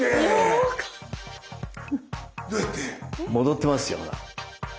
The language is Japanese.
戻ってますよほら。